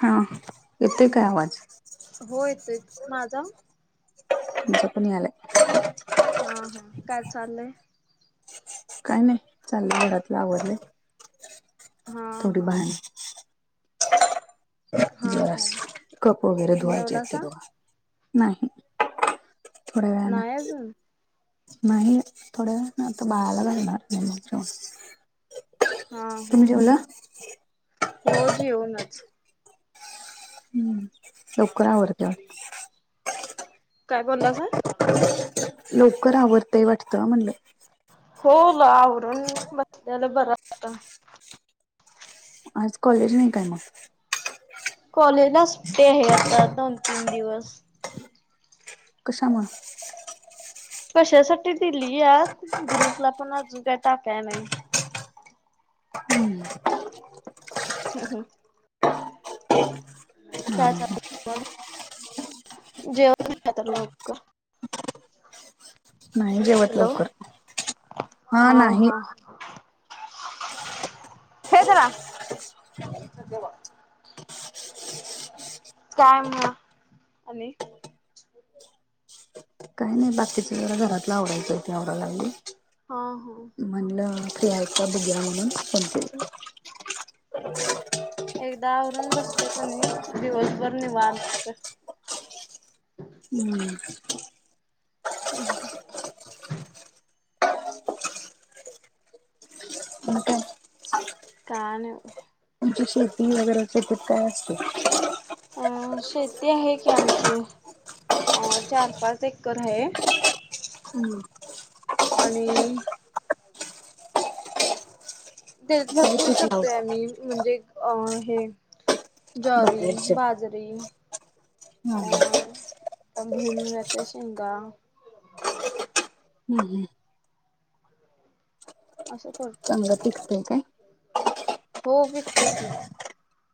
हा, येतोय काय आवाज? हो येतोय. माझा? तुझा पण यायलाय. [unintelligible] हा, हा, काय चाललंय? काय नाही, चाललं घरातलं आवरलय, हा थोडी हा भांडी - हा जरास हा कप वगैरे धुवायचे आहेत, ते जेवलासा धुवालोय. नाही - थोड्या वेळान. नाही अजून नाही, थोड्या वेळानं आता बाळाला घालणार आणि मग जेवणार. हा, हा. हो, जेवूनच. हम्म. लवकर आवरतय वाटत? काय बोलासा? लवकर आवरतय वाटतं म्हणलं. हो ल आवरून बसल्याला बरा असत. [unintelligible] आज कॉलेज नाही काय मग? कॉलेजला सुट्टी आहे आता दोन, तीन दिवस. कशामुळ? कशासाठी दिलीया, ग्रुपला पण अजून काय टाकाय नाही. हम्म [inaudible] हम्म हम् [unintelligible] जेवण [unintelligible] तर लवकर? नाही जेवत हॅलो लवकर. हा नाही. [unintelligible] हेे धरा. काय मग आणि? काय नाही बाकीच जरा घरातला आवरायचं, ते आवराय लागलोय. हा हा म्हणलं फियायचा बुघ्या म्हणूनण [unintelligible] एकदा आवरून बसतय कणी, दिवसभर निवांत काय. [inaudible] ह् [inaudible] म का [inaudible] काय नाय बघा. तुमची शेती वगैरे, शेतीत काय असतय? अ.. शेती आहे की आमची, अ चार, पाच एकर आहे. हम्म [inaudible] आणि- देत काय भरपूर पीक करतोय, लावता आम्ही म्हणजे अ हे- जॉरी, बाजरी- हम् [unintelligible] आणि भुईमुगाच्या शेंगा. [inaudible] असं करतो. चांगलं पिकतय काय? हो, विकतं की.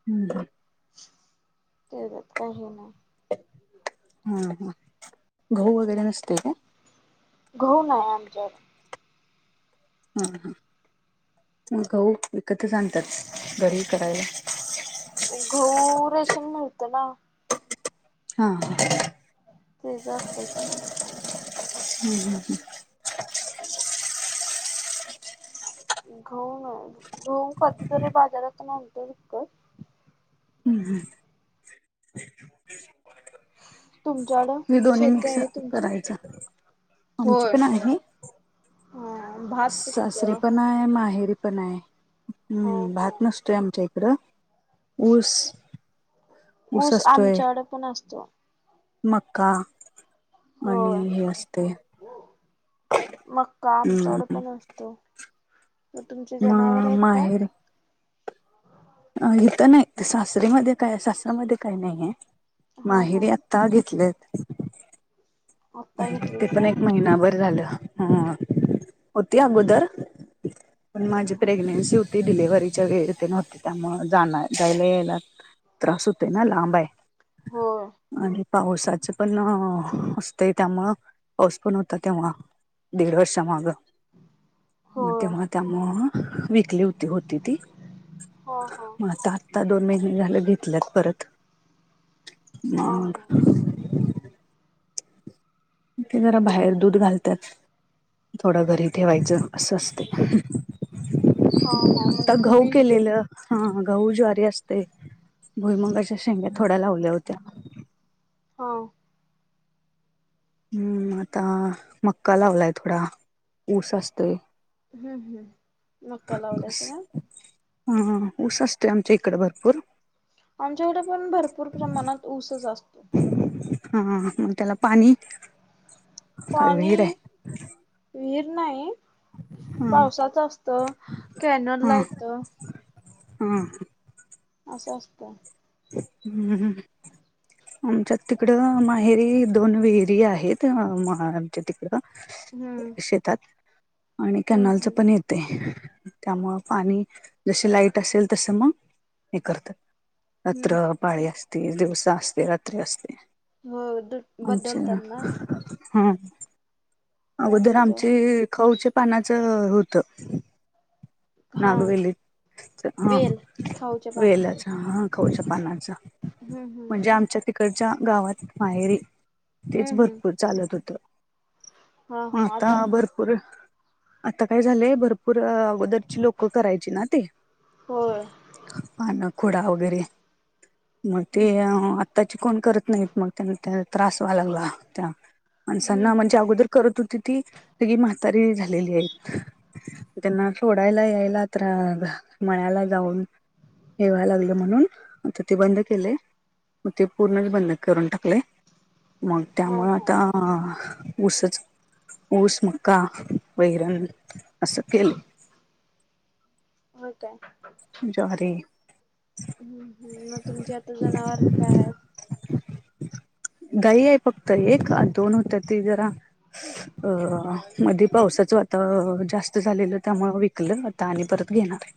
[inaudible] तेज्यात काही नाही. हम्, ह. घऊ वगैरे नसतेय काय? घऊ नाही आमच्यात. हा, हा. मग घऊ विकत जा आणतात. घरी करायला. घऊ, रेशन मिळतं ना. हा, ह. तेज आस्तय की. हम्, हम्, हम्. घऊ नाही. घऊ कधीतरी बाजारात आणतो विकत. हम्म हम्म तुमच्याकड ती दोन्ही शेती मिक्स आहे तुमची? करायच. आमची होय. पण आहे. हा भात पिकत सासरी हा पनाय. माहेरी पनाय. हम्म. हा भात नसतोय आमच्या इकडं. ऊस ऊस, आमच्याकड पण असतो. मका आणि होय हे असतय मक्का आमच्या कडं हम्म पण असतीय. म तुमचे जनावर आहेत म काय? माहेर इथं नाही. सासरीमध्ये काय, सासऱ्यामध्ये काय नाहीये. हा हा माहेरी आ ता घेतलेत. आत्ता घेतलीत ते पण काय? एक महिनाभर झालं. ह. होती अगोदर. पण माझी प्रेग्नेन्सी होत ती डिलेव्हरीच्या वेळ ते नव्हती. त्यामुळ जाण, जायला- यायला. त्रास होतय ना. लांबाय. होय आणि पावसाचं पण, अस त त्यामुळं, पाऊस पण होता तेव्हा. दीड वर्षा मागं. मग होय तेव्हा त्यामु वीकली होती. होती ती. हो, ह. मग आता दोन महिने झालं, घेतल्यात परत. हा हा मग ते जरा बाहेर दूध घालत्यात. थोडं घरी ठेवायचं. असं असतय. हा हा आता म्हणजे घऊ तुम्ही केलेलं. हा, गहू ज्वारी असतय. भुईमंगाच्या शेंग्या थोड्या लावल्या होत्या. हो. हम्म, आता मक्का लावलाय थोडा. ऊस असतोय. हम्, हम्. मक्का लावलायसा. ह, ऊस असतय, आमच्या इकडे भरपूर. आमच्याकडं पण भरपूर प्रमाणात, ऊसच असतो. हा. मग त्याला पाणी. काय विहीर पाणी, आहे विहीर नाही हा पावसाचं असतं. कॅनलला येतं. ह. असं, असतं. ह, हम्म. आमच्यात तिकडं, माहेरी. दोन विहिरी आहेत. अ म तिकडं, हम्म शेतात. आणि हम्म कॅनालच हम्म पण ये तेय. त्यामूळं पाणी, जसी लाईट असेल, तस मग, हे करतेत. हम्म रात्र पाळी असते दिवसा असते रात्री असते. हो दु अच्छा. बदलतात ना [inaudible] हम्म अगोदर त्याच्या आमचे खाऊचे पानाचं होतं. हा नागवेलीच हा वेल खाऊच्या पानाच वेलाचा हा. खाऊच्या पानाचा हम्म हम्म म्हणजे आमच्या तिकडच्या गावात माहेरी तेच हम्म हम्म भरपूर चालत होत हा मग हा आता भरपूर र आता काय झालंय भरपूर अगोदर ची लोक करायची ना ते होय पान खोडा वगैरे. म ते अ त्याची कोण करत नाहीत मग त्यांना त्रास व्हाया लागला त्या हम्म माणसांना हम्म म्हणजे अगोदर करत होती ती सगळी म्हातारी झालेली आहेत म त्यांना सोडायला यायला त्रा ब मळयाला जाऊन. हेवाय लागले म्हणून आता ते बंद केलये मग ते पूर्णच बंद करून टाकलये. मग हो त्यामुळे हो आता अ ऊसच ऊस मका वैरंन असं केलये. होत ये. ज्वारी. हम्म हम्म मग तुमची आता जनावर बीत आहे. गाई आहे फ त एक दोन होत्या ते जरा अ मध्ये पावसाच वा त जास्त झालेलं त्यामुळ विकलं आता आणि परत घेणार ये.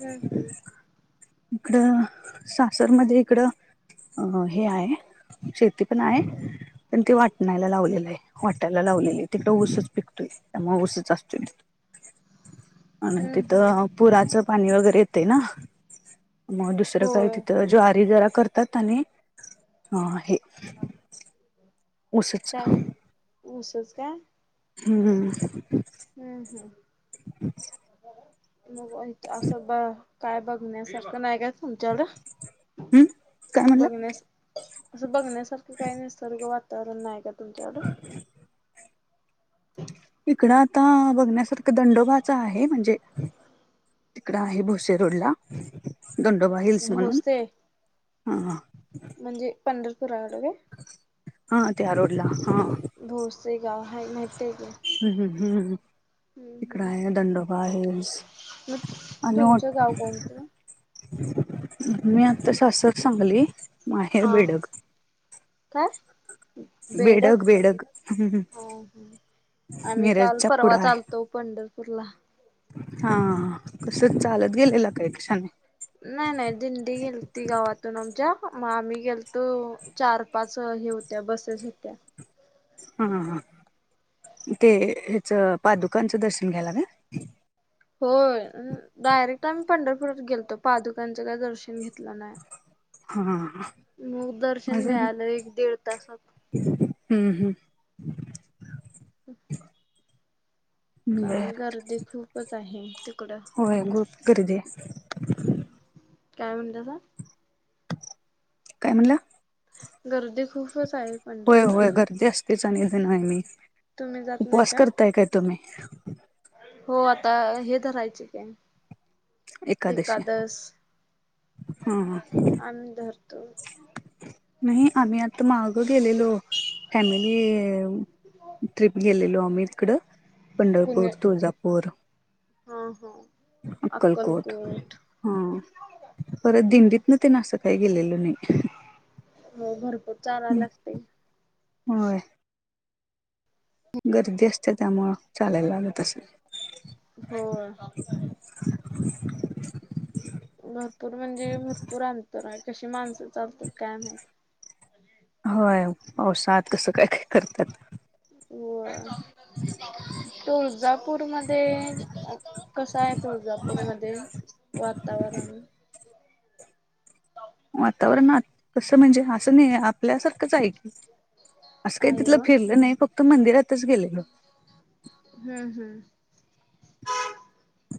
हम्म हम्म. इकडं सासरमध्ये इकडं अ हे आहे. शेती पण आहे पण ते वाटणायला लावलेलं आहे. वाट्याला लावलेली तिकडे ऊसच पिकतोय त्यामुळे ऊसच असतोय. [inaudible] आणि तिथं हम्म पुराचं पाणी वगैरे येतये ना. मग दुसरं काय होय तिथं ज्वारी जरा करतात आणि अ हे ऊसच [inaudible] ऊसच काय हम्म. हम्म हम्म. [inaudible] मग असं ब काय बघण्यासारखं नाही का. [inaudible] तुच्याकड हम् काय म्हणलं बघण्यास असं बघण्यास तस काही निसर्ग वातावरण नाही का तुमच्याकड. [inaudible] [inaudible] इकडं आता बघण्यासारखं दंडोबाच आहे म्हणजे तिकडं आहे भोसे रोडला दंडोबा हिल्स म्हणून. भोसे ह म्हणजे पंढरपूरा आडवे. हा त्या रोडला हा. भोसे गाव हाय माहीतीये गं. हम्म हम्म हम्म हम्म. तिकडं हम्म आहे दंडोबा हिल्स मग आणि तुमचं उट गाव कोणतं मी आता सासर सांगली माहेर हा बेडक. काय बेडग बेडक, बेडग आ हम, आम्ही काल मिरजच्या पुढं परवाच आहे आलतो. पंढरपूरला. हा, कसं चालत गेलेला, काय कशान? नाही नाही, दिंडी गेलती गावातून आमच्या म, आम्ही गेलतो चार पाच घेऊन त्या बसेस होत्या. हा हा, ते ह्याच पादुकांचं दर्शन घ्यायला काय? होय, डायरेक्ट आम्ही पंढरपूरात गेलतो, पादुकांचं काय दर्शन घेतलं नाही. हा मुख दर्शन अजून मिळालंय एक दीड तासात. हम्म, हम्. [inaudible] हम्म बर काय गर्दी खूपचं आहे, तिकडं. होय खूप गर्दी आहे काय म्हणतासा? काय म्हणला? गर्दी खूपच आहे. होय होय, पंढरपुराला गर्दी असतेचं आणि नेहमी, तुम्ही जात नाही उपवास करताय काय तुम्ही? हो आता, हे धरायचे कि एकादशी एकादस, हा आम्ही धरतो. नाही आम्ही आता मागं गेलेलो, फॅमिली ट्रिप गेलेलो आम्ही इकडं, पंढरपूर, कुणी तुळजापूर हा हा. अक्कलकोट, हा. परत दिंडीतन असं काही गेलेलं नाही. म भरपूर चारा लागतंय. होय. गर्दी असत्या त्यामुळं चालायला लागत असल. होय [inaudible] भरपूर म्हणजे भरपूर अंतर आहे, कशी माणसं चालतात काय माहित? होय, पावसात कसं काय काय करतात. होय. तुळजापूरमध्ये, कसं आहे तुळजापूरमध्ये वातावरण वातावरणात कसं म्हणजे, असं नाही आपल्यासारखंच आहे की. असं काही आहे तिथलं व फिरलं नाही, फक्त मंदिरातच गेलेलो. हम्म हम्म.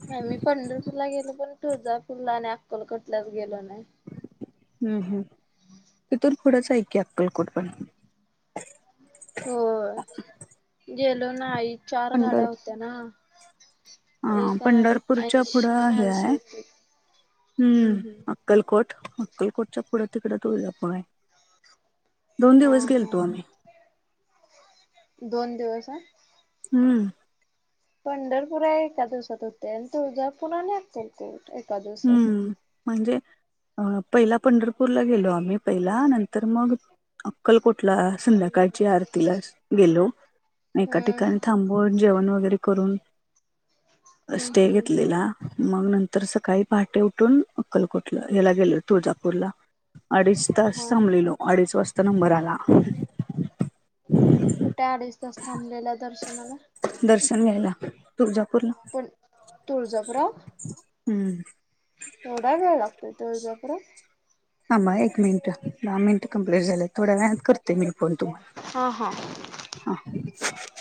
नाही मी, पंढरपूरला गेलो पण, तुळजापूरला आणि अक्कलकोट लाच गेलो नाही. हम् हम, तिथून पुढच हाय अक्कलकोट पण हो गेलो नाही, चार पंढर गाड्या त्यांना हा, पंढरपूरच्या पुढं हे माणसं हाय, होती. हम्म. अक्कलकोट, अक्कलकोटच्या पुढं तिकडं तुळजापूर हाय. दोन हा दिवस गेलतो हा आम्ही. दोन दिवस हम्म. पंढरपूर एका दिवसात होते, आणि तुळजापूर आणि अक्कलकोट एका दिवसात. हम्म म्हणजे अ- पहिला पंढरपूरला गेलो आम्ही पहिला नंतर मग अक्कलकोटला संध्याकाळ ची आरतीलाच गेलो एका हम्म ठिकाणी थांबून जेवण वगैरे करून. हम्म स्टे हम्म. घेतलेला मग नंतर सकाळी पहाटे उठून अक्कलकोटला याला गेलो तुळजापूरला अडीच तास हा. थांबलेलो. अडीच वाजता नंबर आला. कुठे अडीच तास थांबलेल्या दर्शनाला? दर्शन घ्यायला तुळजापूरला. पण तुळजापूर हम्म. एवढा वेळ लागतोय तुळजापुरात? थांबा एक मिनटं दहा मिनिटं कम्प्लीट झाल्यात. थोड्या वेळत करते मी फोन हा हा तुम्हाला हा.